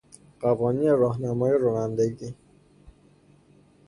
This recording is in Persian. قوانین راهنمایی و رانندگی